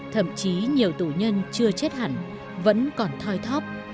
thậm chí nhiều tù nhân chưa chết hẳn vẫn còn thoi thóp